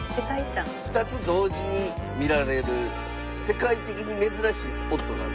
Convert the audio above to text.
２つ同時に見られる世界的に珍しいスポットがある。